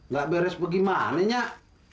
gak beres bagaimana nyak